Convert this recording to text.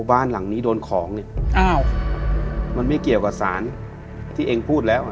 บ้านหลังนี้โดนของเนี่ยอ้าวมันไม่เกี่ยวกับสารที่เองพูดแล้วอ่ะ